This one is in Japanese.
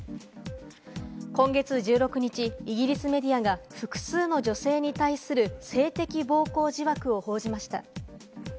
今月１６日、イギリスメディアが複数の女性に対する性的暴行疑惑を報じました。